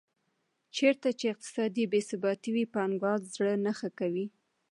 چېرته چې اقتصادي بې ثباتي وي پانګوال زړه نه ښه کوي.